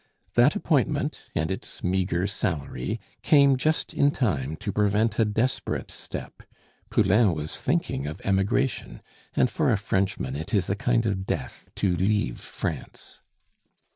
That appointment and its meagre salary came just in time to prevent a desperate step; Poulain was thinking of emigration; and for a Frenchman, it is a kind of death to leave France.